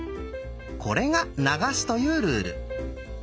これが「流す」というルール。